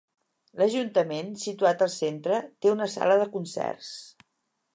L'ajuntament, situat al centre, té una sala de concerts.